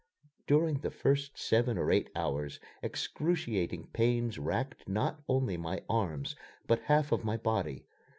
During the first seven or eight hours, excruciating pains racked not only my arms, but half of my body.